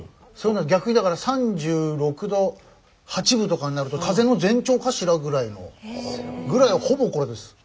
逆にだから３６度８分とかになると風邪の前兆かしら？ぐらいの。ぐらいほぼこれです。